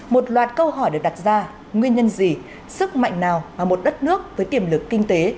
một loạt câu hỏi được đặt ra nguyên nhân gì sức mạnh nào mà một đất nước với tiềm lực kinh tế